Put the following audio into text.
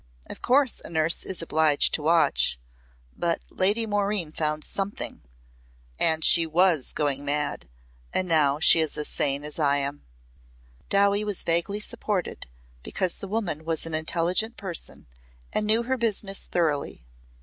Of course a nurse is obliged to watch But Lady Maureen found something And she was going mad and now she is as sane as I am." Dowie was vaguely supported because the woman was an intelligent person and knew her business thoroughly.